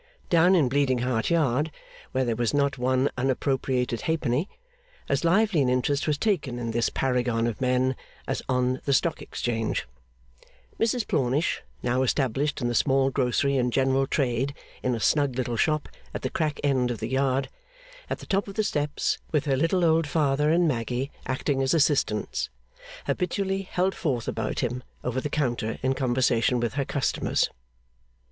Down in Bleeding Heart Yard, where there was not one unappropriated halfpenny, as lively an interest was taken in this paragon of men as on the Stock Exchange. Mrs Plornish, now established in the small grocery and general trade in a snug little shop at the crack end of the Yard, at the top of the steps, with her little old father and Maggy acting as assistants, habitually held forth about him over the counter in conversation with her customers.